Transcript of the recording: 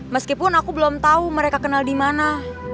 meskipun aku belum tahu mereka kenal dimana